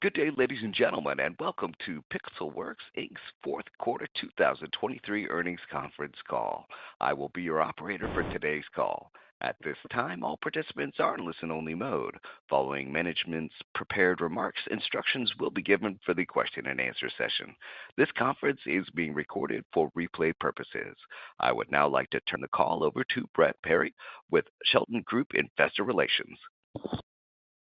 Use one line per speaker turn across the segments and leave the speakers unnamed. Good day, ladies and gentlemen, and welcome to Pixelworks Inc.'s fourth quarter 2023 earnings conference call. I will be your operator for today's call. At this time, all participants are in listen-only mode. Following management's prepared remarks, instructions will be given for the question-and-answer session. This conference is being recorded for replay purposes. I would now like to turn the call over to Brett Perry with Shelton Group Investor Relations.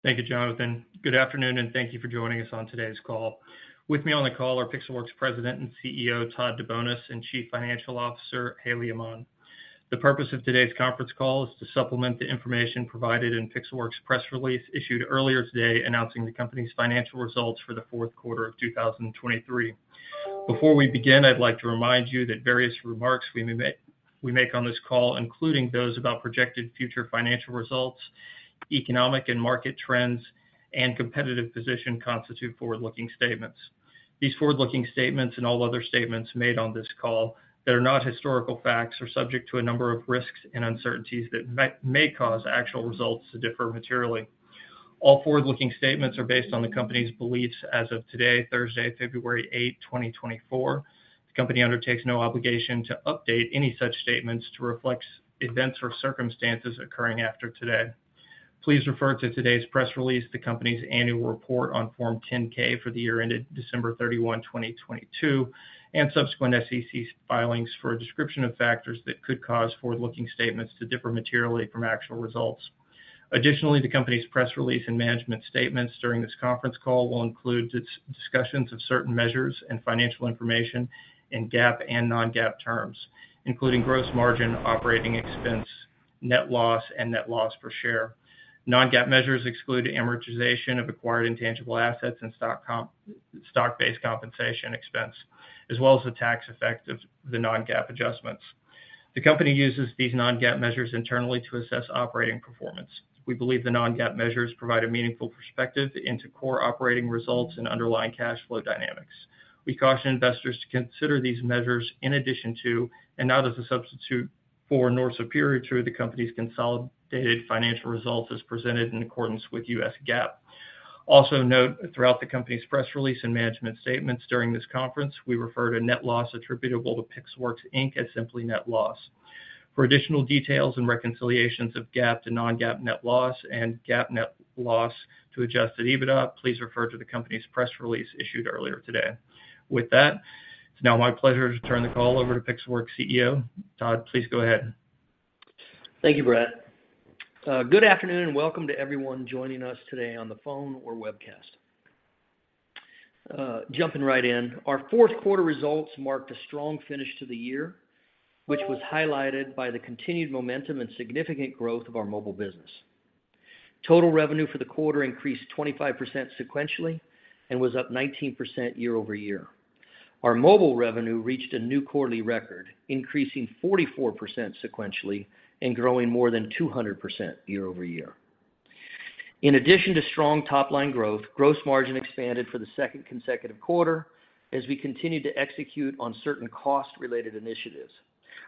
Thank you, Jonathan. Good afternoon, and thank you for joining us on today's call. With me on the call are Pixelworks President and CEO Todd DeBonis and Chief Financial Officer Haley Aman. The purpose of today's conference call is to supplement the information provided in Pixelworks' press release issued earlier today announcing the company's financial results for the fourth quarter of 2023. Before we begin, I'd like to remind you that various remarks we make on this call, including those about projected future financial results, economic and market trends, and competitive position, constitute forward-looking statements. These forward-looking statements and all other statements made on this call that are not historical facts are subject to a number of risks and uncertainties that may cause actual results to differ materially. All forward-looking statements are based on the company's beliefs as of today, Thursday, February 8, 2024. The company undertakes no obligation to update any such statements to reflect events or circumstances occurring after today. Please refer to today's press release, the company's annual report on Form 10-K for the year ended December 31, 2022, and subsequent SEC filings for a description of factors that could cause forward-looking statements to differ materially from actual results. Additionally, the company's press release and management statements during this conference call will include discussions of certain measures and financial information in GAAP and non-GAAP terms, including gross margin, operating expense, net loss, and net loss per share. Non-GAAP measures exclude amortization of acquired intangible assets and stock-based compensation expense, as well as the tax effect of the non-GAAP adjustments. The company uses these non-GAAP measures internally to assess operating performance. We believe the non-GAAP measures provide a meaningful perspective into core operating results and underlying cash flow dynamics. We caution investors to consider these measures in addition to and not as a substitute for nor superior to the company's consolidated financial results as presented in accordance with U.S. GAAP. Also note, throughout the company's press release and management statements during this conference, we refer to net loss attributable to Pixelworks, Inc. as simply net loss. For additional details and reconciliations of GAAP to non-GAAP net loss and GAAP net loss to adjusted EBITDA, please refer to the company's press release issued earlier today. With that, it's now my pleasure to turn the call over to Pixelworks CEO Todd DeBonis. Please go ahead.
Thank you, Brett. Good afternoon and welcome to everyone joining us today on the phone or webcast. Jumping right in, our fourth quarter results marked a strong finish to the year, which was highlighted by the continued momentum and significant growth of our mobile business. Total revenue for the quarter increased 25% sequentially and was up 19% year-over-year. Our mobile revenue reached a new quarterly record, increasing 44% sequentially and growing more than 200% year-over-year. In addition to strong top-line growth, gross margin expanded for the second consecutive quarter as we continued to execute on certain cost-related initiatives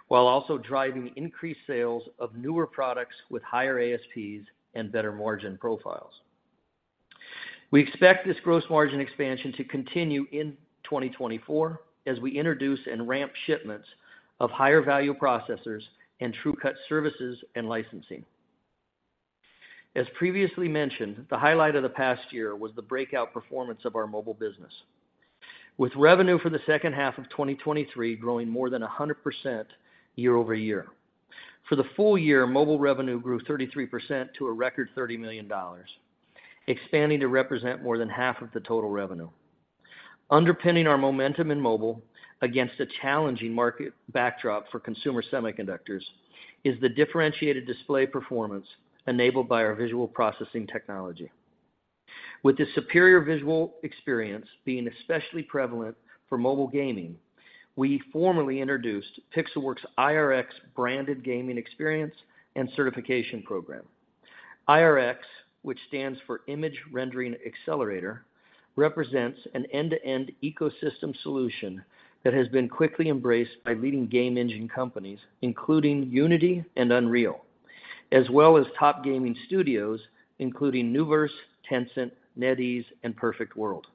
while also driving increased sales of newer products with higher ASPs and better margin profiles. We expect this gross margin expansion to continue in 2024 as we introduce and ramp shipments of higher-value processors and TrueCut services and licensing. As previously mentioned, the highlight of the past year was the breakout performance of our mobile business, with revenue for the second half of 2023 growing more than 100% year-over-year. For the full year, mobile revenue grew 33% to a record $30 million, expanding to represent more than half of the total revenue. Underpinning our momentum in mobile against a challenging market backdrop for consumer semiconductors is the differentiated display performance enabled by our visual processing technology. With this superior visual experience being especially prevalent for mobile gaming, we formally introduced Pixelworks' IRX branded gaming experience and certification program. IRX, which stands for Image Rendering Accelerator, represents an end-to-end ecosystem solution that has been quickly embraced by leading game engine companies, including Unity and Unreal, as well as top gaming studios, including Nuverse, Tencent, NetEase, and Perfect World.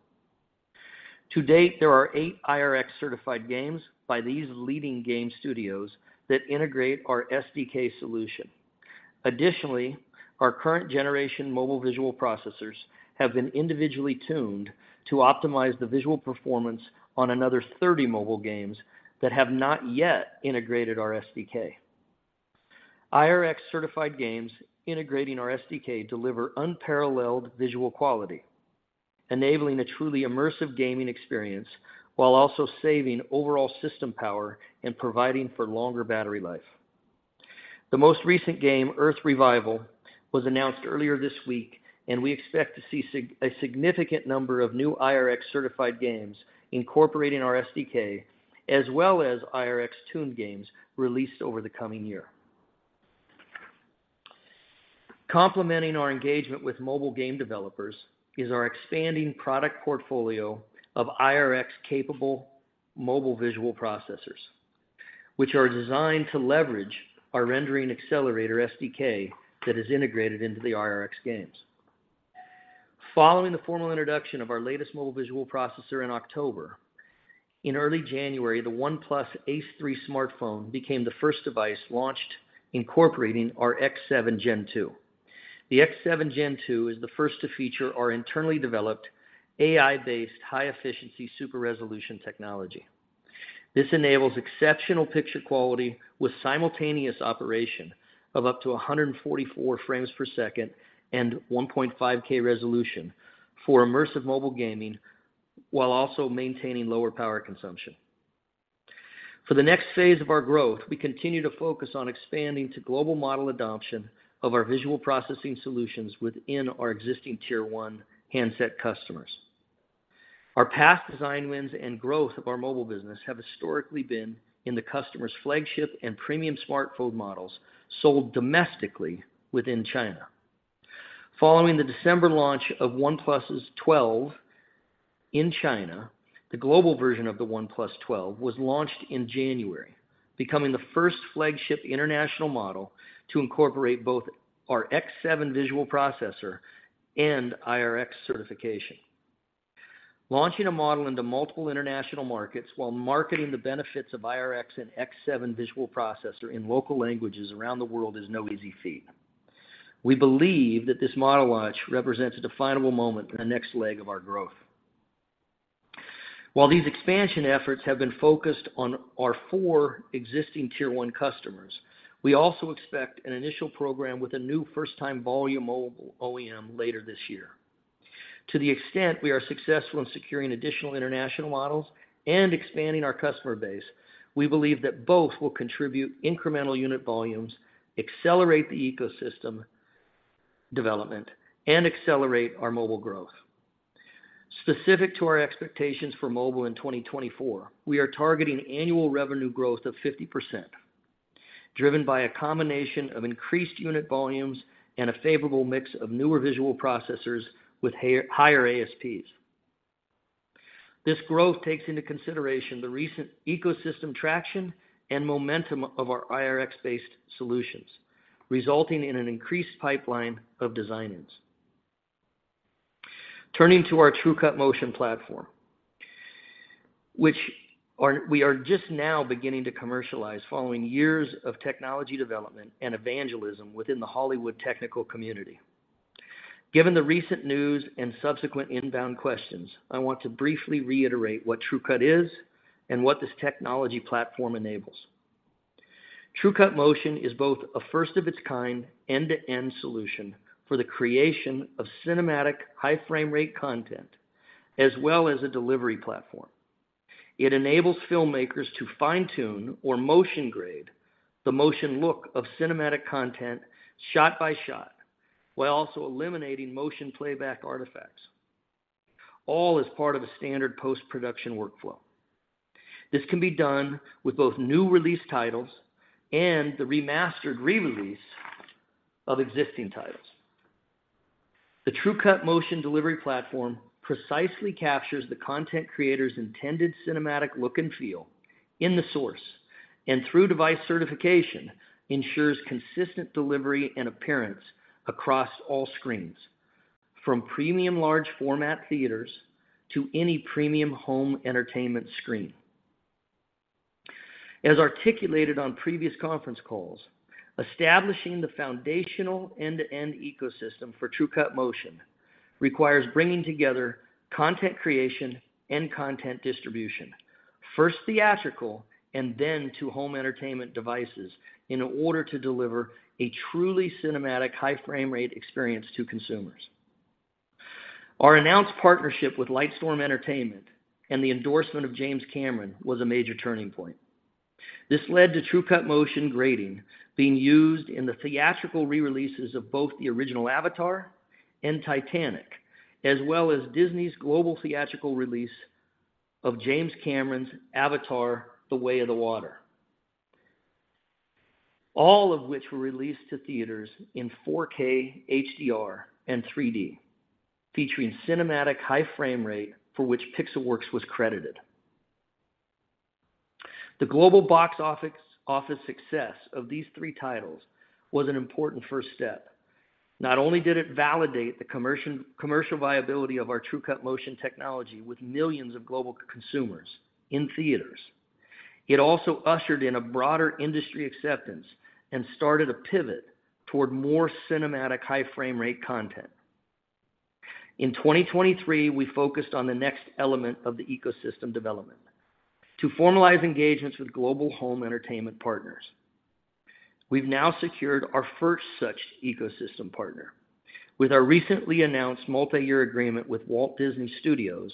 To date, there are eight IRX-certified games by these leading game studios that integrate our SDK solution. Additionally, our current-generation mobile visual processors have been individually tuned to optimize the visual performance on another 30 mobile games that have not yet integrated our SDK. IRX-certified games integrating our SDK deliver unparalleled visual quality, enabling a truly immersive gaming experience while also saving overall system power and providing for longer battery life. The most recent game, Earth Revival, was announced earlier this week, and we expect to see a significant number of new IRX-certified games incorporating our SDK, as well as IRX-tuned games released over the coming year. Complementing our engagement with mobile game developers is our expanding product portfolio of IRX-capable mobile visual processors, which are designed to leverage our rendering accelerator SDK that is integrated into the IRX games. Following the formal introduction of our latest mobile visual processor in October, in early January, the OnePlus Ace 3 smartphone became the first device launched incorporating our X7 Gen 2. The X7 Gen 2 is the first to feature our internally developed AI-based high-efficiency super-resolution technology. This enables exceptional picture quality with simultaneous operation of up to 144 frames per second and 1.5K resolution for immersive mobile gaming while also maintaining lower power consumption. For the next phase of our growth, we continue to focus on expanding to global model adoption of our visual processing solutions within our existing Tier 1 handset customers. Our past design wins and growth of our mobile business have historically been in the customer's flagship and premium smartphone models sold domestically within China. Following the December launch of OnePlus's 12 in China, the global version of the OnePlus 12 was launched in January, becoming the first flagship international model to incorporate both our X7 visual processor and IRX certification. Launching a model into multiple international markets while marketing the benefits of IRX and X7 visual processor in local languages around the world is no easy feat. We believe that this model launch represents a definable moment in the next leg of our growth. While these expansion efforts have been focused on our four existing Tier 1 customers, we also expect an initial program with a new first-time volume OEM later this year. To the extent we are successful in securing additional international models and expanding our customer base, we believe that both will contribute incremental unit volumes, accelerate the ecosystem development, and accelerate our mobile growth. Specific to our expectations for mobile in 2024, we are targeting annual revenue growth of 50%, driven by a combination of increased unit volumes and a favorable mix of newer visual processors with higher ASPs. This growth takes into consideration the recent ecosystem traction and momentum of our IRX-based solutions, resulting in an increased pipeline of design-ins. Turning to our TrueCut Motion platform, which we are just now beginning to commercialize following years of technology development and evangelism within the Hollywood technical community. Given the recent news and subsequent inbound questions, I want to briefly reiterate what TrueCut is and what this technology platform enables. TrueCut Motion is both a first-of-its-kind end-to-end solution for the creation of cinematic high-frame-rate content as well as a delivery platform. It enables filmmakers to fine-tune or motion-grade the motion look of cinematic content shot by shot while also eliminating motion playback artifacts, all as part of a standard post-production workflow. This can be done with both new release titles and the remastered re-release of existing titles. The TrueCut Motion delivery platform precisely captures the content creator's intended cinematic look and feel in the source and, through device certification, ensures consistent delivery and appearance across all screens, from premium large-format theaters to any premium home entertainment screen. As articulated on previous conference calls, establishing the foundational end-to-end ecosystem for TrueCut Motion requires bringing together content creation and content distribution, first theatrical and then to home entertainment devices, in order to deliver a truly cinematic high-frame-rate experience to consumers. Our announced partnership with Lightstorm Entertainment and the endorsement of James Cameron was a major turning point. This led to TrueCut Motion grading being used in the theatrical re-releases of both the original Avatar and Titanic, as well as Disney's global theatrical release of James Cameron's Avatar: The Way of Water, all of which were released to theaters in 4K HDR and 3D, featuring Cinematic High Frame Rate for which Pixelworks was credited. The global box office success of these three titles was an important first step. Not only did it validate the commercial viability of our TrueCut Motion technology with millions of global consumers in theaters, it also ushered in a broader industry acceptance and started a pivot toward more Cinematic High Frame Rate content. In 2023, we focused on the next element of the ecosystem development: to formalize engagements with global home entertainment partners. We've now secured our first such ecosystem partner with our recently announced multi-year agreement with Walt Disney Studios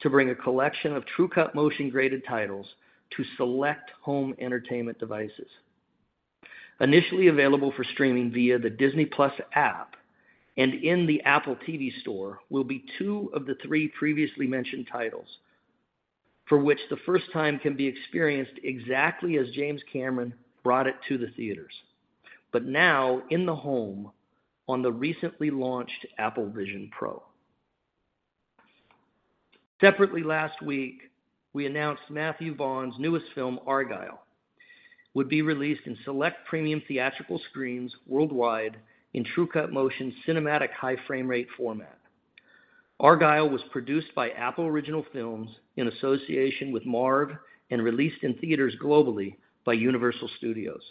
to bring a collection of TrueCut Motion-graded titles to select home entertainment devices. Initially available for streaming via the Disney+ app and in the Apple TV Store will be two of the three previously mentioned titles, for which the first time can be experienced exactly as James Cameron brought it to the theaters, but now in the home on the recently launched Apple Vision Pro. Separately, last week, we announced Matthew Vaughn's newest film, Argylle, would be released in select premium theatrical screens worldwide in TrueCut Motion cinematic high-frame-rate format. Argylle was produced by Apple Original Films in association with Marv and released in theaters globally by Universal Studios.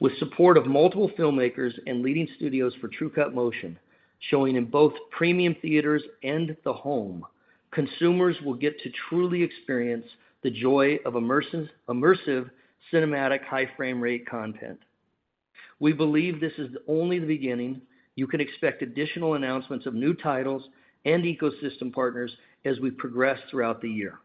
With support of multiple filmmakers and leading studios for TrueCut Motion showing in both premium theaters and the home, consumers will get to truly experience the joy of immersive cinematic high-frame-rate content. We believe this is only the beginning. You can expect additional announcements of new titles and ecosystem partners as we progress throughout the year.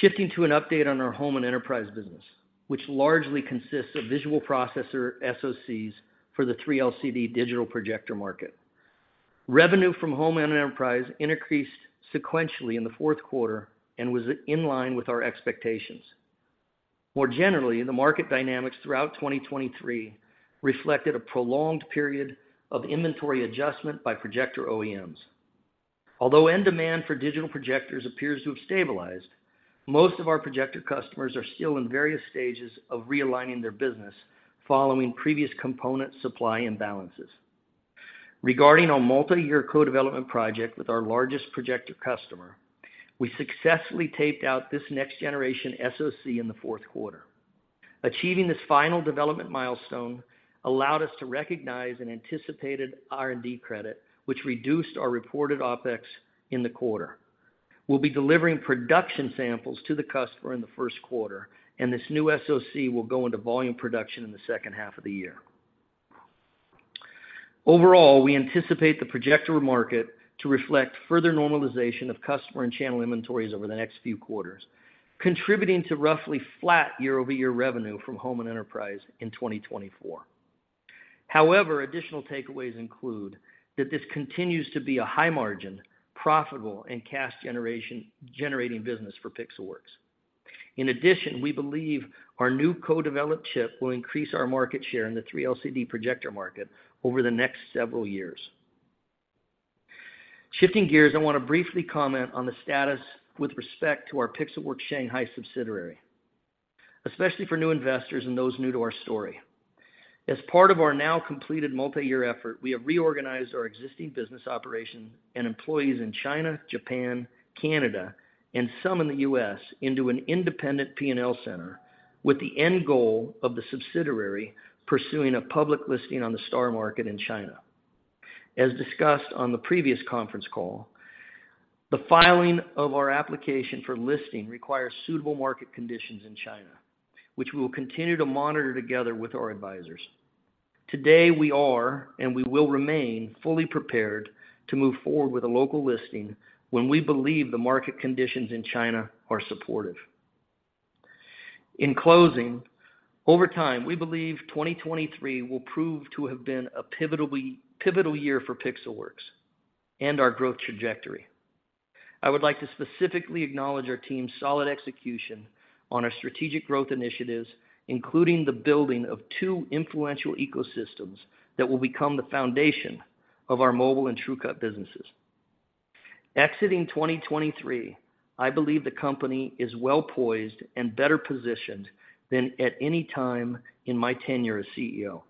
Shifting to an update on our home and enterprise business, which largely consists of visual processor SoCs for the 3LCD digital projector market, revenue from home and enterprise increased sequentially in the fourth quarter and was in line with our expectations. More generally, the market dynamics throughout 2023 reflected a prolonged period of inventory adjustment by projector OEMs. Although end demand for digital projectors appears to have stabilized, most of our projector customers are still in various stages of realigning their business following previous component supply imbalances. Regarding our multi-year co-development project with our largest projector customer, we successfully taped out this next-generation SoC in the fourth quarter. Achieving this final development milestone allowed us to recognize an anticipated R&D credit, which reduced our reported OpEx in the quarter. We'll be delivering production samples to the customer in the first quarter, and this new SoC will go into volume production in the second half of the year. Overall, we anticipate the projector market to reflect further normalization of customer and channel inventories over the next few quarters, contributing to roughly flat year-over-year revenue from home and enterprise in 2024. However, additional takeaways include that this continues to be a high-margin, profitable, and cash-generating business for Pixelworks. In addition, we believe our new co-developed chip will increase our market share in the 3LCD projector market over the next several years. Shifting gears, I want to briefly comment on the status with respect to our Pixelworks Shanghai subsidiary, especially for new investors and those new to our story. As part of our now completed multi-year effort, we have reorganized our existing business operations and employees in China, Japan, Canada, and some in the U.S. into an independent P&L center with the end goal of the subsidiary pursuing a public listing on the STAR Market in China. As discussed on the previous conference call, the filing of our application for listing requires suitable market conditions in China, which we will continue to monitor together with our advisors. Today, we are and we will remain fully prepared to move forward with a local listing when we believe the market conditions in China are supportive. In closing, over time, we believe 2023 will prove to have been a pivotal year for Pixelworks and our growth trajectory. I would like to specifically acknowledge our team's solid execution on our strategic growth initiatives, including the building of two influential ecosystems that will become the foundation of our mobile and TrueCut businesses. Exiting 2023, I believe the company is well-poised and better positioned than at any time in my tenure as CEO.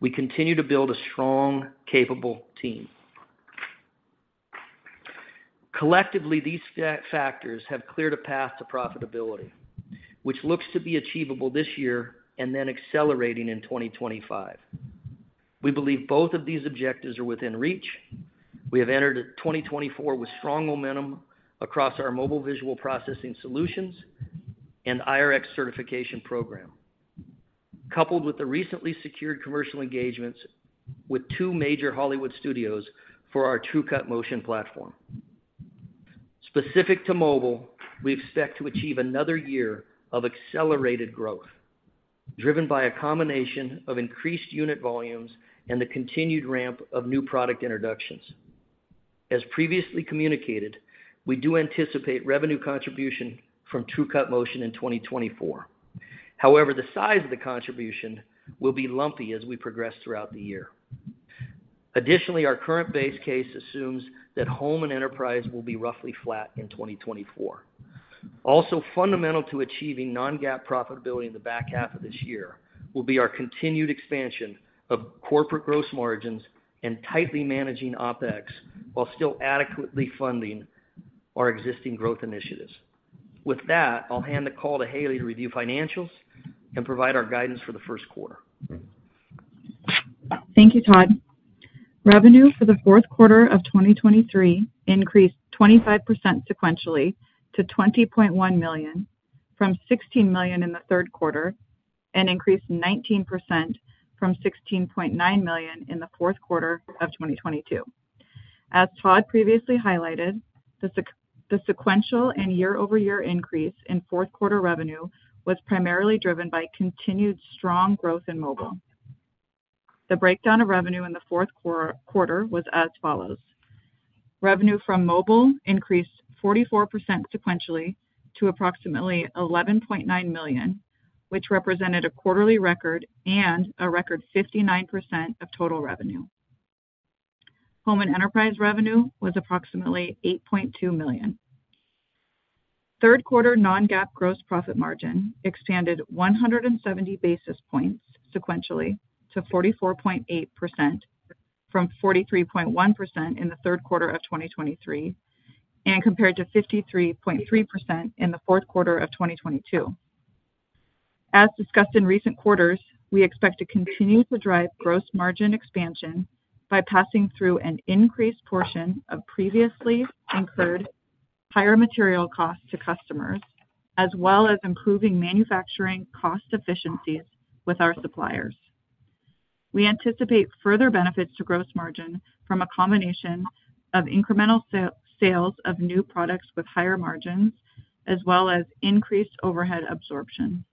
We continue to build a strong, capable team. Collectively, these factors have cleared a path to profitability, which looks to be achievable this year and then accelerating in 2025. We believe both of these objectives are within reach. We have entered 2024 with strong momentum across our mobile visual processing solutions and IRX certification program, coupled with the recently secured commercial engagements with two major Hollywood studios for our TrueCut Motion platform. Specific to mobile, we expect to achieve another year of accelerated growth driven by a combination of increased unit volumes and the continued ramp of new product introductions. As previously communicated, we do anticipate revenue contribution from TrueCut Motion in 2024. However, the size of the contribution will be lumpy as we progress throughout the year. Additionally, our current base case assumes that home and enterprise will be roughly flat in 2024. Also, fundamental to achieving non-GAAP profitability in the back half of this year will be our continued expansion of corporate gross margins and tightly managing OpEx while still adequately funding our existing growth initiatives. With that, I'll hand the call to Haley to review financials and provide our guidance for the first quarter.
Thank you, Todd. Revenue for the fourth quarter of 2023 increased 25% sequentially to $20.1 million from $16 million in the third quarter and increased 19% from $16.9 million in the fourth quarter of 2022. As Todd previously highlighted, the sequential and year-over-year increase in fourth-quarter revenue was primarily driven by continued strong growth in mobile. The breakdown of revenue in the fourth quarter was as follows: revenue from mobile increased 44% sequentially to approximately $11.9 million, which represented a quarterly record and a record 59% of total revenue. Home and enterprise revenue was approximately $8.2 million. Third-quarter non-GAAP gross profit margin expanded 170 basis points sequentially to 44.8% from 43.1% in the third quarter of 2023 and compared to 53.3% in the fourth quarter of 2022. As discussed in recent quarters, we expect to continue to drive gross margin expansion by passing through an increased portion of previously incurred higher material costs to customers, as well as improving manufacturing cost efficiencies with our suppliers. We anticipate further benefits to gross margin from a combination of incremental sales of new products with higher margins, as well as increased overhead absorption.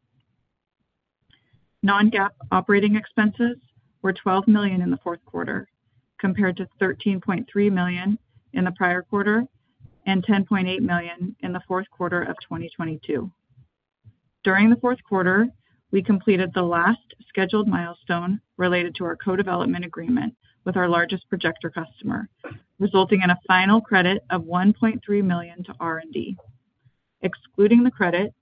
Non-GAAP operating expenses were $12 million in the fourth quarter compared to $13.3 million in the prior quarter and $10.8 million in the fourth quarter of 2022. During the fourth quarter, we completed the last scheduled milestone related to our co-development agreement with our largest projector customer, resulting in a final credit of $1.3 million to R&D. Excluding the credit,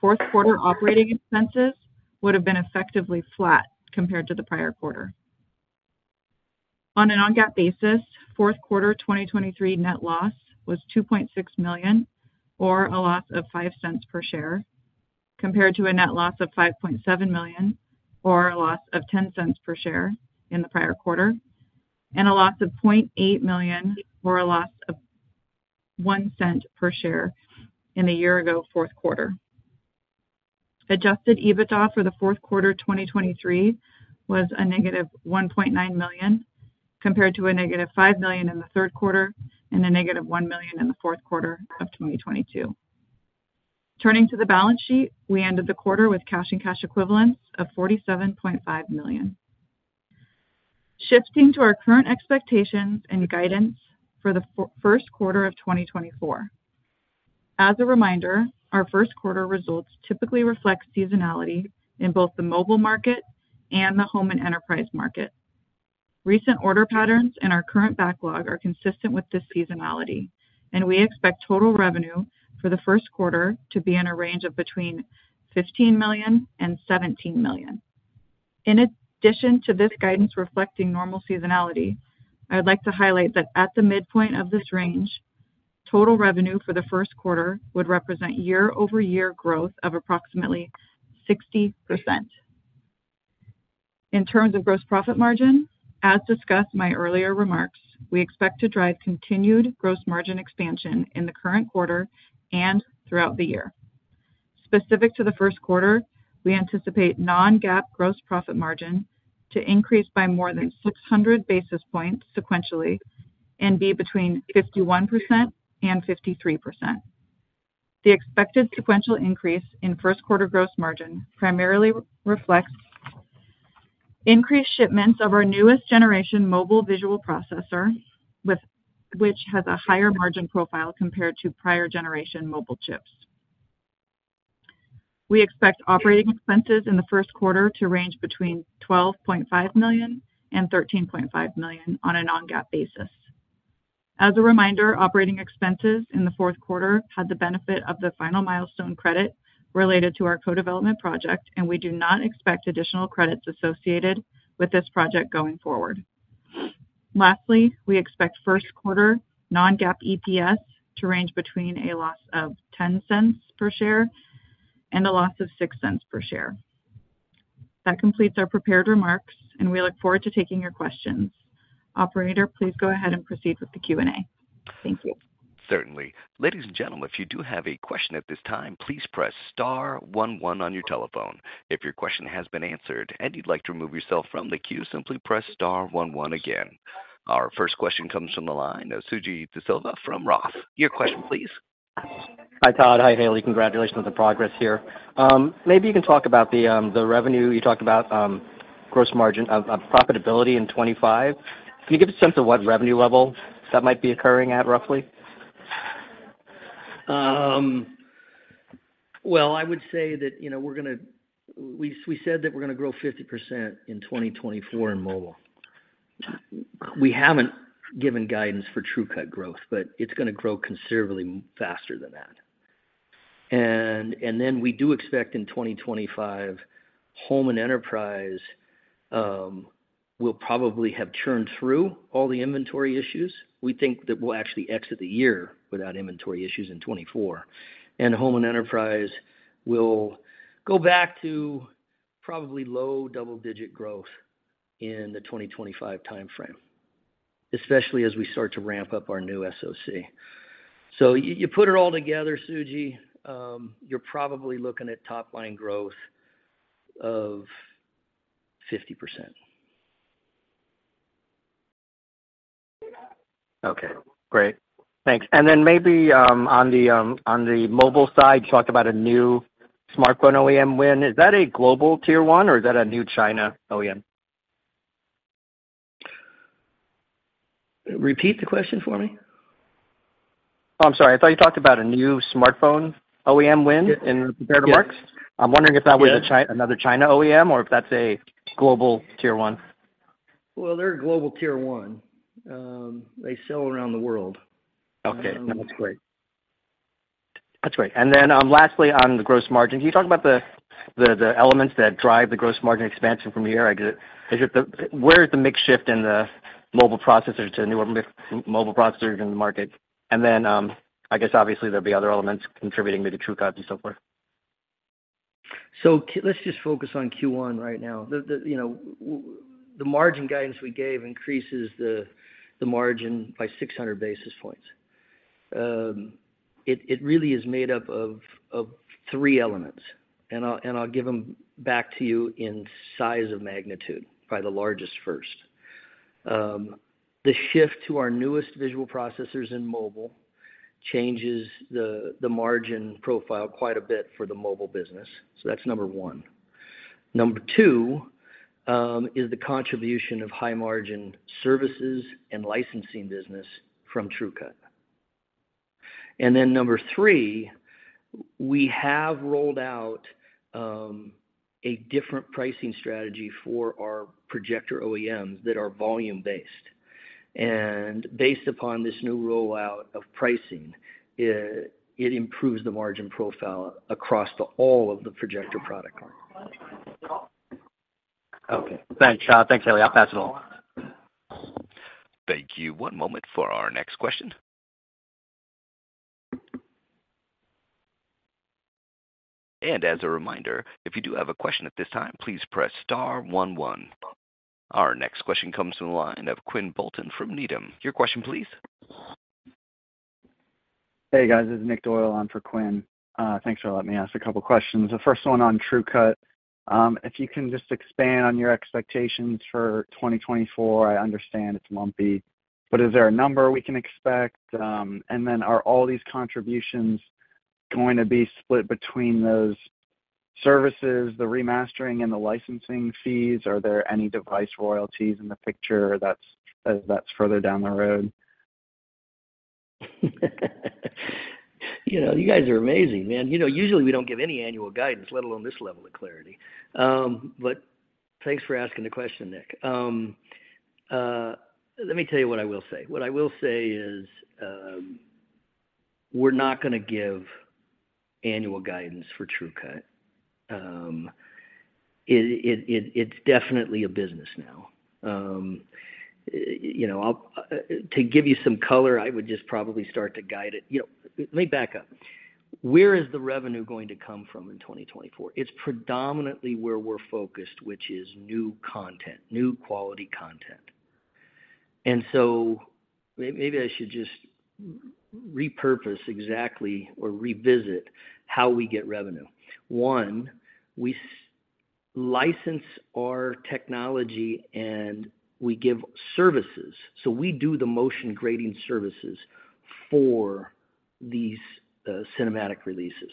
fourth-quarter operating expenses would have been effectively flat compared to the prior quarter. On a non-GAAP basis, fourth quarter 2023 net loss was $2.6 million or a loss of $0.05 per share compared to a net loss of $5.7 million or a loss of $0.10 per share in the prior quarter and a loss of $0.8 million or a loss of $0.01 per share in the year-ago fourth quarter. Adjusted EBITDA for the fourth quarter 2023 was a negative $1.9 million compared to a negative $5 million in the third quarter and a negative $1 million in the fourth quarter of 2022. Turning to the balance sheet, we ended the quarter with cash and cash equivalents of $47.5 million. Shifting to our current expectations and guidance for the first quarter of 2024. As a reminder, our first quarter results typically reflect seasonality in both the mobile market and the home and enterprise market. Recent order patterns in our current backlog are consistent with this seasonality, and we expect total revenue for the first quarter to be in a range of between $15 million and $17 million. In addition to this guidance reflecting normal seasonality, I would like to highlight that at the midpoint of this range, total revenue for the first quarter would represent year-over-year growth of approximately 60%. In terms of gross profit margin, as discussed in my earlier remarks, we expect to drive continued gross margin expansion in the current quarter and throughout the year. Specific to the first quarter, we anticipate non-GAAP gross profit margin to increase by more than 600 basis points sequentially and be between 51% and 53%. The expected sequential increase in first-quarter gross margin primarily reflects increased shipments of our newest generation mobile visual processor, which has a higher margin profile compared to prior generation mobile chips. We expect operating expenses in the first quarter to range between $12.5 million-$13.5 million on a non-GAAP basis. As a reminder, operating expenses in the fourth quarter had the benefit of the final milestone credit related to our co-development project, and we do not expect additional credits associated with this project going forward. Lastly, we expect first-quarter non-GAAP EPS to range between a loss of $0.10 per share and a loss of $0.06 per share. That completes our prepared remarks, and we look forward to taking your questions. Operator, please go ahead and proceed with the Q&A. Thank you.
Certainly. Ladies and gentlemen, if you do have a question at this time, please press star one one on your telephone. If your question has been answered and you'd like to remove yourself from the queue, simply press star one one again. Our first question comes from the line, Suji Desilva from Roth. Your question, please.
Hi, Todd. Hi, Haley. Congratulations on the progress here. Maybe you can talk about the revenue you talked about, gross margin of profitability in 2025. Can you give a sense of what revenue level that might be occurring at, roughly?
Well, I would say that we said that we're going to grow 50% in 2024 in mobile. We haven't given guidance for TrueCut growth, but it's going to grow considerably faster than that. And then we do expect in 2025, home and enterprise will probably have churned through all the inventory issues. We think that we'll actually exit the year without inventory issues in 2024, and home and enterprise will go back to probably low double-digit growth in the 2025 time frame, especially as we start to ramp up our new SoC. So you put it all together, Suji, you're probably looking at top-line growth of 50%.
Okay. Great. Thanks. Then maybe on the mobile side, you talked about a new smartphone OEM win. Is that a global tier one, or is that a new China OEM?
Repeat the question for me.
Oh, I'm sorry. I thought you talked about a new smartphone OEM win in prepared remarks. I'm wondering if that was another China OEM or if that's a global tier one.
Well, they're a global tier one. They sell around the world.
Okay. That's great. That's great. And then lastly, on the gross margin, can you talk about the elements that drive the gross margin expansion from here? Where is the mix shift in the mobile processors to newer mobile processors in the market? And then, I guess, obviously, there'll be other elements contributing maybe TrueCut and so forth.
So let's just focus on Q1 right now. The margin guidance we gave increases the margin by 600 basis points. It really is made up of 3 elements, and I'll give them back to you in size of magnitude, probably the largest first. The shift to our newest visual processors in mobile changes the margin profile quite a bit for the mobile business. So that's number 1. Number 2 is the contribution of high-margin services and licensing business from TrueCut. And then number 3, we have rolled out a different pricing strategy for our projector OEMs that are volume-based. And based upon this new rollout of pricing, it improves the margin profile across all of the projector product lines.
Okay. Thanks, Todd. Thanks, Haley. I'll pass it along.
Thank you. One moment for our next question. As a reminder, if you do have a question at this time, please press star one one. Our next question comes from the line of Quinn Bolton from Needham. Your question, please.
Hey, guys. This is Nick Doyle on for Quinn. Thanks for letting me ask a couple of questions. The first one on TrueCut. If you can just expand on your expectations for 2024, I understand it's lumpy, but is there a number we can expect? And then are all these contributions going to be split between those services, the remastering, and the licensing fees? Are there any device royalties in the picture that's further down the road?
You guys are amazing, man. Usually, we don't give any annual guidance, let alone this level of clarity. But thanks for asking the question, Nick. Let me tell you what I will say. What I will say is we're not going to give annual guidance for TrueCut. It's definitely a business now. To give you some color, I would just probably start to guide it, let me back up. Where is the revenue going to come from in 2024? It's predominantly where we're focused, which is new content, new-quality content. And so maybe I should just repurpose exactly or revisit how we get revenue. One, we license our technology, and we give services. So we do the motion grading services for these cinematic releases.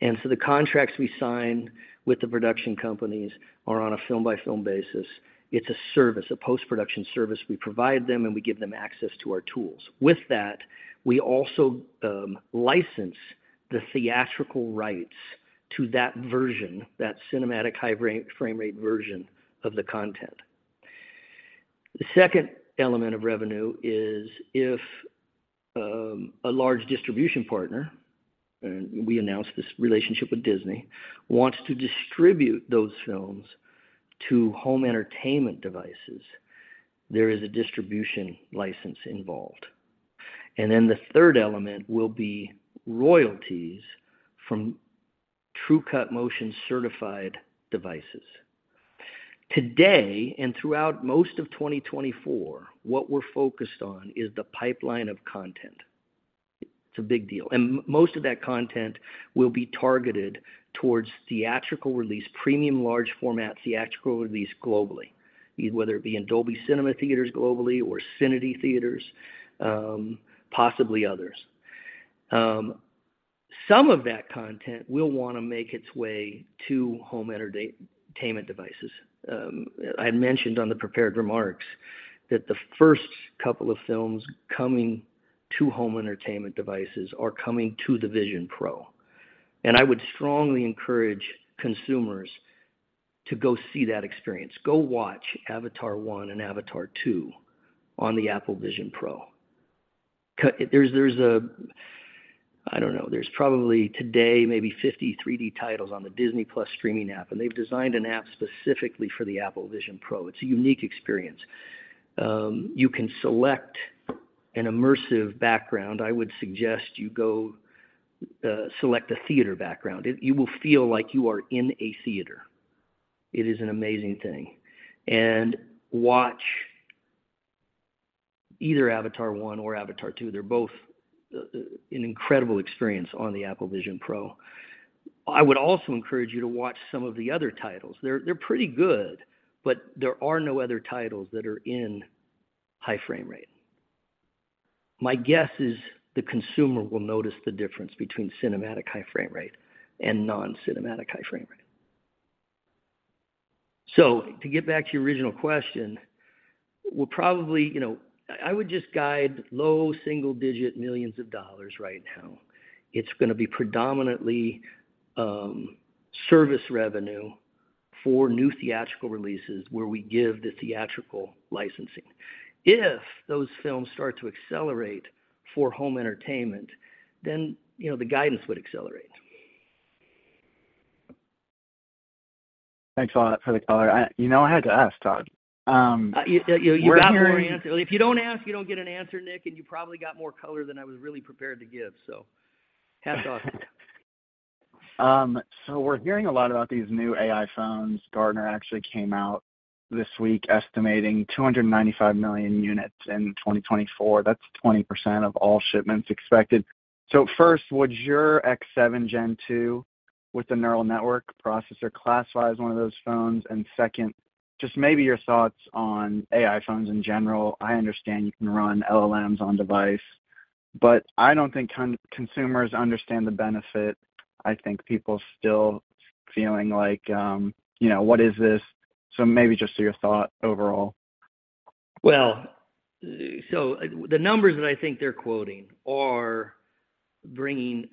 And so the contracts we sign with the production companies are on a film-by-film basis. It's a service, a post-production service. We provide them, and we give them access to our tools. With that, we also license the theatrical rights to that version, that Cinematic High Frame Rate version of the content. The second element of revenue is if a large distribution partner, and we announced this relationship with Disney, wants to distribute those films to home entertainment devices, there is a distribution license involved. Then the third element will be royalties from TrueCut Motion certified devices. Today and throughout most of 2024, what we're focused on is the pipeline of content. It's a big deal. Most of that content will be targeted towards theatrical release, premium large-format theatrical release globally, whether it be in Dolby Cinema theaters globally or Cinity theaters, possibly others. Some of that content will want to make its way to home entertainment devices. I had mentioned on the prepared remarks that the first couple of films coming to home entertainment devices are coming to the Vision Pro. I would strongly encourage consumers to go see that experience. Go watch Avatar 1 and Avatar 2 on the Apple Vision Pro. I don't know. There's probably today maybe 50 3D titles on the Disney+ streaming app, and they've designed an app specifically for the Apple Vision Pro. It's a unique experience. You can select an immersive background. I would suggest you go select a theater background. You will feel like you are in a theater. It is an amazing thing. Watch either Avatar 1 or Avatar 2. They're both an incredible experience on the Apple Vision Pro. I would also encourage you to watch some of the other titles. They're pretty good, but there are no other titles that are in high frame rate. My guess is the consumer will notice the difference between Cinematic High Frame Rate and non-cinematic high frame rate. So to get back to your original question, we'll probably I would just guide low single-digit $ millions right now. It's going to be predominantly service revenue for new theatrical releases where we give the theatrical licensing. If those films start to accelerate for home entertainment, then the guidance would accelerate.
Thanks a lot for the color. I had to ask, Todd.
You got more answers. If you don't ask, you don't get an answer, Nick, and you probably got more color than I was really prepared to give. So hats off.
So we're hearing a lot about these new AI phones. Gartner actually came out this week estimating 295 million units in 2024. That's 20% of all shipments expected. So first, would your X7 Gen 2 with the neural network processor classify as one of those phones? And second, just maybe your thoughts on AI phones in general. I understand you can run LLMs on device, but I don't think consumers understand the benefit. I think people still feeling like, "What is this?" So maybe just your thought overall.
Well, so the numbers that I think they're quoting are bringing,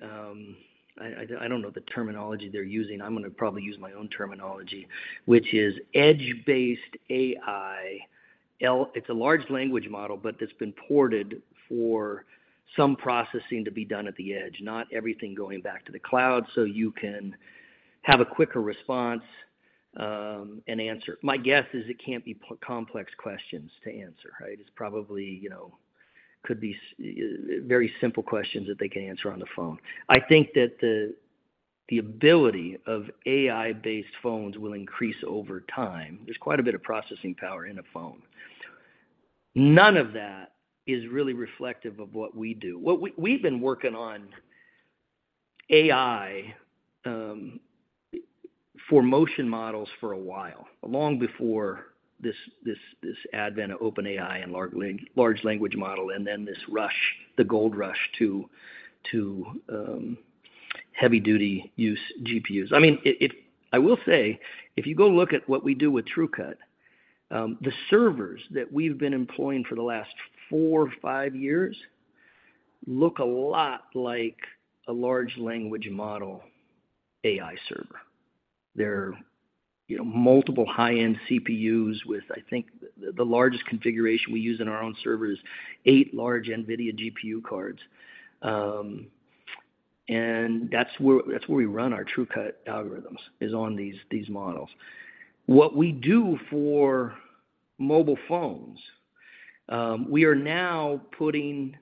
I don't know, the terminology they're using. I'm going to probably use my own terminology, which is edge-based AI. It's a large language model, but it's been ported for some processing to be done at the edge, not everything going back to the cloud so you can have a quicker response and answer. My guess is it can't be complex questions to answer, right? It probably could be very simple questions that they can answer on the phone. I think that the ability of AI-based phones will increase over time. There's quite a bit of processing power in a phone. None of that is really reflective of what we do. We've been working on AI for motion models for a while, long before this advent of OpenAI and large language model, and then this rush, the gold rush to heavy-duty use GPUs. I mean, I will say, if you go look at what we do with TrueCut, the servers that we've been employing for the last 4-5 years look a lot like a large language model AI server. They're multiple high-end CPUs with, I think, the largest configuration we use in our own server is 8 large NVIDIA GPU cards. And that's where we run our TrueCut algorithms, is on these models. What we do for mobile phones, we are now putting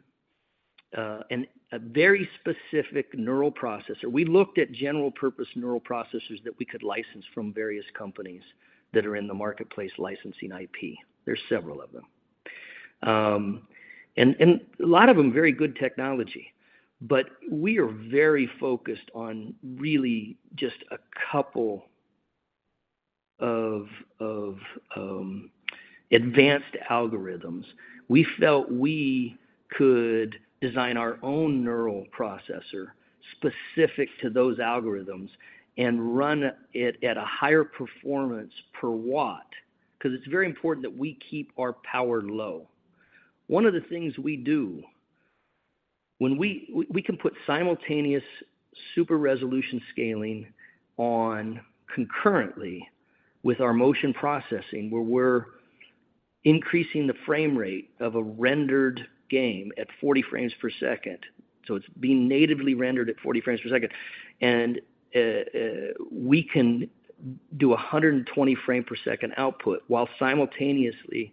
a very specific neural processor. We looked at general-purpose neural processors that we could license from various companies that are in the marketplace licensing IP. There's several of them. And a lot of them, very good technology. But we are very focused on really just a couple of advanced algorithms. We felt we could design our own neural processor specific to those algorithms and run it at a higher performance per watt because it's very important that we keep our power low. One of the things we do, we can put simultaneous super-resolution scaling on concurrently with our motion processing, where we're increasing the frame rate of a rendered game at 40 frames per second. So it's being natively rendered at 40 frames per second. And we can do 120 frames per second output while simultaneously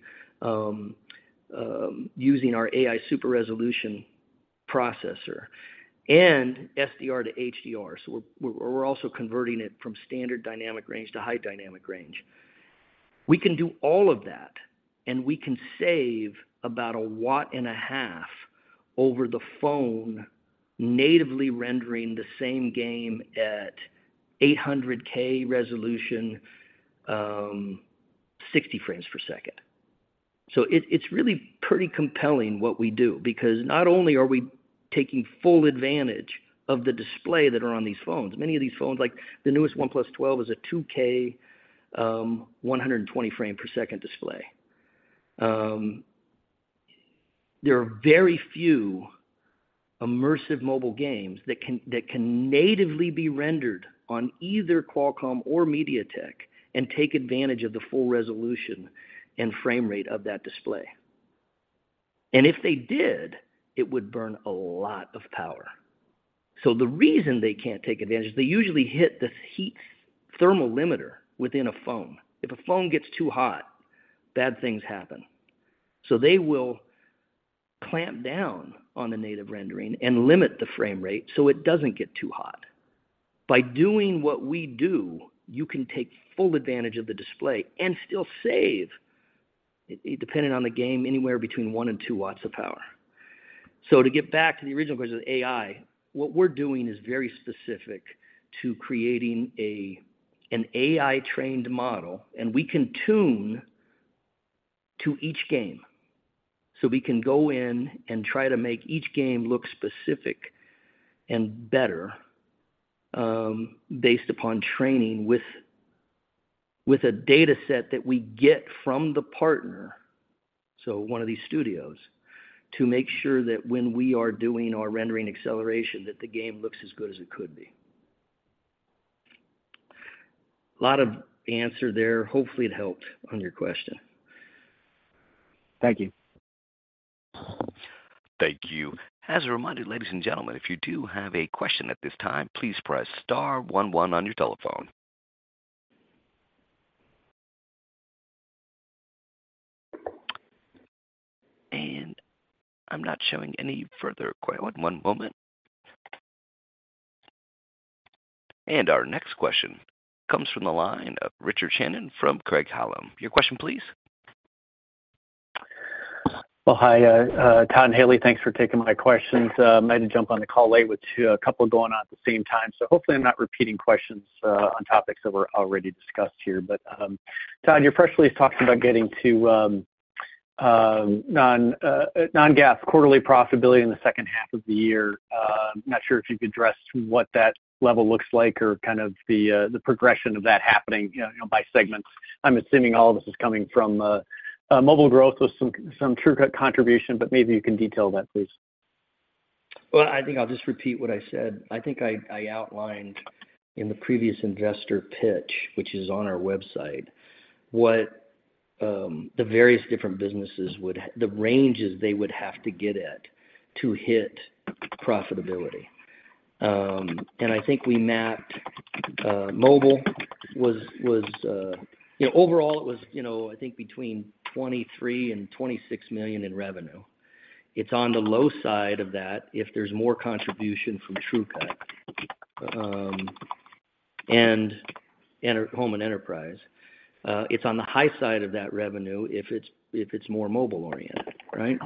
using our AI super-resolution processor and SDR to HDR. So we're also converting it from standard dynamic range to high dynamic range. We can do all of that, and we can save about 1.5 W over the phone natively rendering the same game at 800p resolution, 60 frames per second. So it's really pretty compelling what we do because not only are we taking full advantage of the display that are on these phones, many of these phones, like the newest OnePlus 12, is a 2K 120 frame per second display. There are very few immersive mobile games that can natively be rendered on either Qualcomm or MediaTek and take advantage of the full resolution and frame rate of that display. And if they did, it would burn a lot of power. So the reason they can't take advantage is they usually hit the heat thermal limiter within a phone. If a phone gets too hot, bad things happen. So they will clamp down on the native rendering and limit the frame rate so it doesn't get too hot. By doing what we do, you can take full advantage of the display and still save, depending on the game, anywhere between 1-2 W of power. So to get back to the original question of AI, what we're doing is very specific to creating an AI-trained model, and we can tune to each game. So we can go in and try to make each game look specific and better based upon training with a dataset that we get from the partner, so one of these studios, to make sure that when we are doing our rendering acceleration, that the game looks as good as it could be. A lot of answer there. Hopefully, it helped on your question.
Thank you.
Thank you. As a reminder, ladies and gentlemen, if you do have a question at this time, please press star one one on your telephone. And I'm not showing any further questions. One moment. And our next question comes from the line of Richard Shannon from Craig-Hallum. Your question, please.
Well, hi, Todd and Haley. Thanks for taking my questions. Might have jumped on the call late with a couple going on at the same time. So hopefully, I'm not repeating questions on topics that were already discussed here. But Todd, your press release talks about getting to non-GAAP quarterly profitability in the second half of the year. Not sure if you could address what that level looks like or kind of the progression of that happening by segments. I'm assuming all of this is coming from mobile growth with some TrueCut contribution, but maybe you can detail that, please.
Well, I think I'll just repeat what I said. I think I outlined in the previous investor pitch, which is on our website, what the various different businesses would the ranges they would have to get at to hit profitability. And I think we mapped mobile was overall, it was, I think, between $23 million and $26 million in revenue. It's on the low side of that if there's more contribution from TrueCut and home and enterprise. It's on the high side of that revenue if it's more mobile-oriented, right?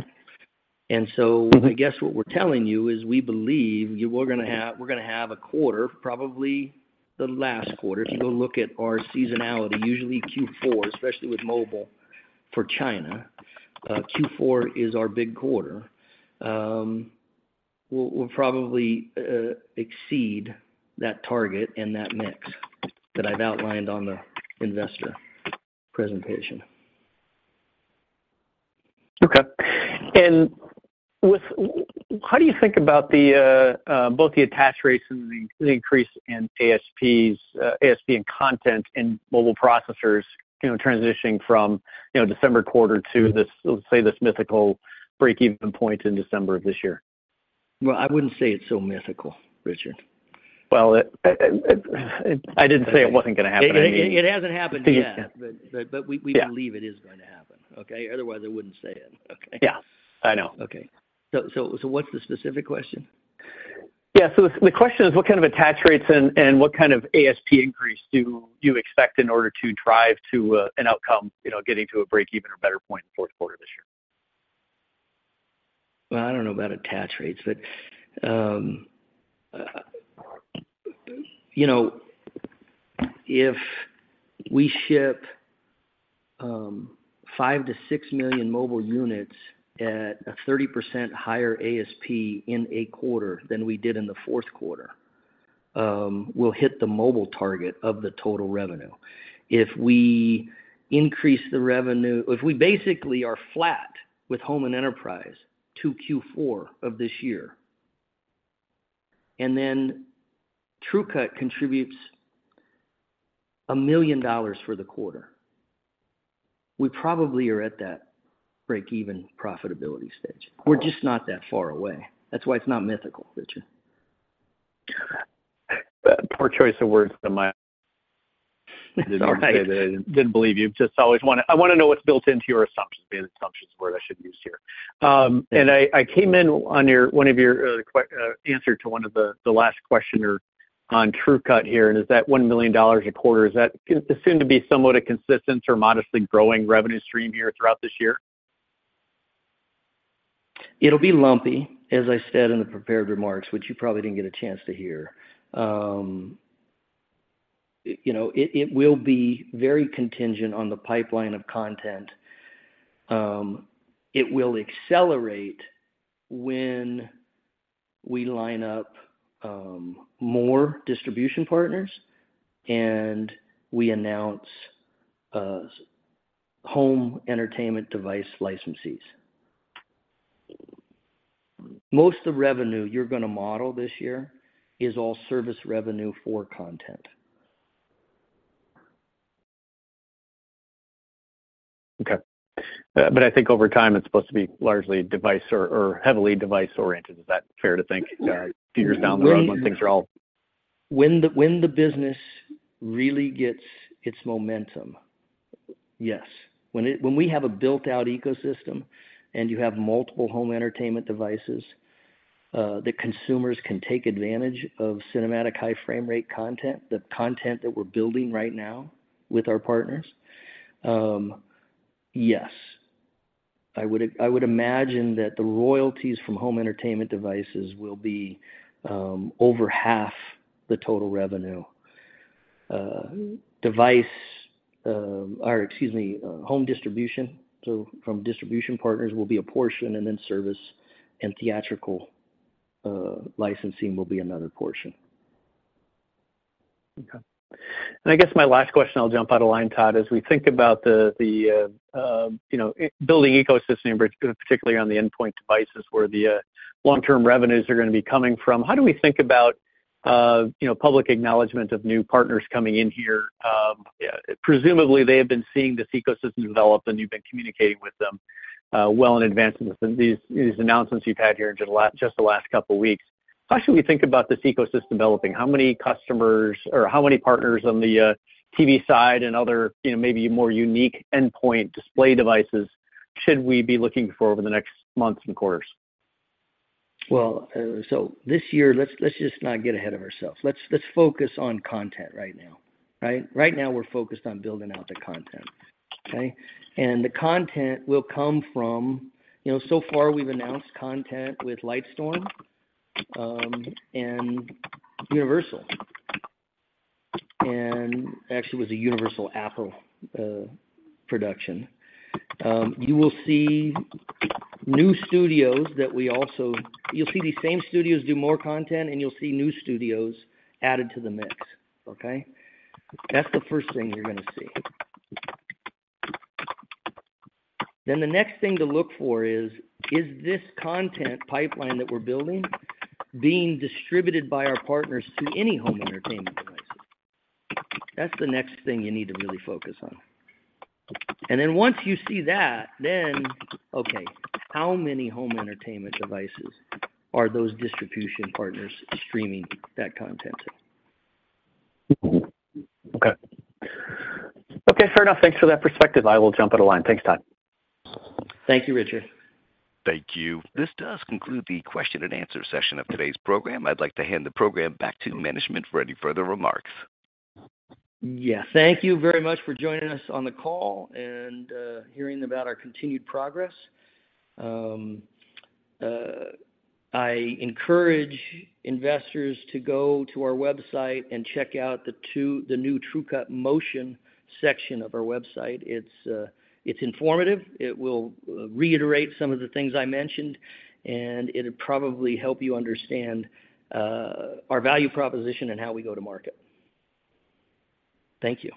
And so I guess what we're telling you is we believe we're going to have a quarter, probably the last quarter. If you go look at our seasonality, usually Q4, especially with mobile for China, Q4 is our big quarter, we'll probably exceed that target and that mix that I've outlined on the investor presentation.
Okay. How do you think about both the attach rates and the increase in ASP and content in mobile processors transitioning from December quarter to, let's say, this mythical breakeven point in December of this year?
Well, I wouldn't say it's so mythical, Richard.
Well, I didn't say it wasn't going to happen.
It hasn't happened yet, but we believe it is going to happen, okay? Otherwise, I wouldn't say it, okay?
Yeah. I know.
Okay. So what's the specific question?
Yeah. So the question is, what kind of attach rates and what kind of ASP increase do you expect in order to drive to an outcome, getting to a breakeven or better point in the fourth quarter of this year?
Well, I don't know about attach rates, but if we ship 5-6 million mobile units at a 30% higher ASP in a quarter than we did in the fourth quarter, we'll hit the mobile target of the total revenue. If we basically are flat with home and enterprise to Q4 of this year, and then TrueCut contributes $1 million for the quarter, we probably are at that breakeven profitability stage. We're just not that far away. That's why it's not mythical, Richard.
Poor choice of words to my saying that I didn't believe you. I just always want to know what's built into your assumptions. Maybe assumption is the word I should use here. I came in on one of your answers to one of the last questions on TrueCut here, and is that $1 million a quarter? Is that assumed to be somewhat of a consistent or modestly growing revenue stream here throughout this year?
It'll be lumpy, as I said in the prepared remarks, which you probably didn't get a chance to hear. It will be very contingent on the pipeline of content. It will accelerate when we line up more distribution partners and we announce home entertainment device licensees. Most of the revenue you're going to model this year is all service revenue for content.
Okay. But I think over time, it's supposed to be largely device or heavily device-oriented. Is that fair to think a few years down the road when things are all?
When the business really gets its momentum, yes. When we have a built-out ecosystem and you have multiple home entertainment devices that consumers can take advantage of Cinematic High Frame Rate content, the content that we're building right now with our partners, yes. I would imagine that the royalties from home entertainment devices will be over half the total revenue. Device or, excuse me, home distribution. So from distribution partners will be a portion, and then service and theatrical licensing will be another portion.
Okay. And I guess my last question—I'll jump out of line, Todd—is, as we think about the building ecosystem, particularly on the endpoint devices where the long-term revenues are going to be coming from, how do we think about public acknowledgment of new partners coming in here? Presumably, they have been seeing this ecosystem develop, and you've been communicating with them well in advance of these announcements you've had here in just the last couple of weeks. How should we think about this ecosystem developing? How many customers or how many partners on the TV side and other maybe more unique endpoint display devices should we be looking for over the next months and quarters?
Well, so this year, let's just not get ahead of ourselves. Let's focus on content right now, right? Right now, we're focused on building out the content, okay? And the content will come from so far, we've announced content with Lightstorm and Universal, and actually was a Universal Apple production. You will see new studios that we also you'll see these same studios do more content, and you'll see new studios added to the mix, okay? That's the first thing you're going to see. Then the next thing to look for is this content pipeline that we're building being distributed by our partners to any home entertainment devices? That's the next thing you need to really focus on. And then once you see that, then, okay, how many home entertainment devices are those distribution partners streaming that content to?
Okay. Okay. Fair enough. Thanks for that perspective. I will jump out of line. Thanks, Todd.
Thank you, Richard.
Thank you. This does conclude the question-and-answer session of today's program. I'd like to hand the program back to management for any further remarks.
Yeah. Thank you very much for joining us on the call and hearing about our continued progress. I encourage investors to go to our website and check out the new TrueCut Motion section of our website. It's informative. It will reiterate some of the things I mentioned, and it'll probably help you understand our value proposition and how we go to market. Thank you.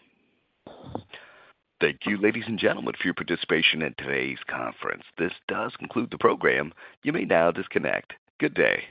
Thank you, ladies and gentlemen, for your participation in today's conference. This does conclude the program. You may now disconnect. Good day.